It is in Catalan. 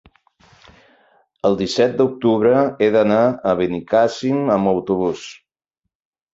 El disset d'octubre he d'anar a Benicàssim amb autobús.